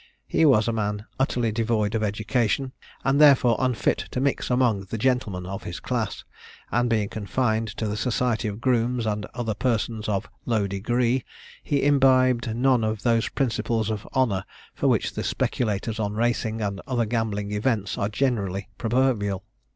He was a man utterly devoid of education, and therefore unfit to mix among the gentlemen of his class; and being confined to the society of grooms and other persons of "low degree," he imbibed none of those principles of "honour" for which the speculators on racing and other gambling events are generally proverbial.